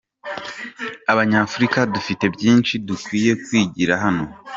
Abanyafurika dufite byinshi dukwiye kwigira hano.